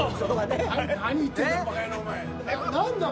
何言ってんだよ